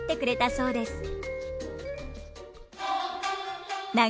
そうですね。